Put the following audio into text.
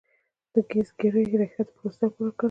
د ګزګیرې ریښه د پروستات لپاره وکاروئ